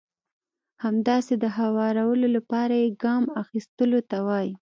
همداسې د هوارولو لپاره يې ګام اخيستلو ته وایي.